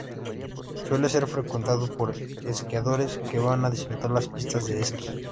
Suele ser frecuentado por esquiadores que van a disfrutar las pistas de esquí.